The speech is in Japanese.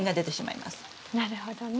なるほどね。